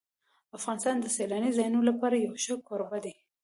افغانستان د سیلاني ځایونو لپاره یو ښه کوربه دی.